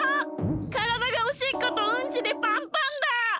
からだがおしっことうんちでパンパンだ！